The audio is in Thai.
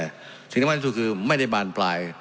สิ่งที่คุณมาถ้ารู้จักคือไม่ได้บานปลาย